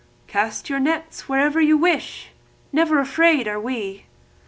"Now cast your nets wherever you wish, But never afeard are we!"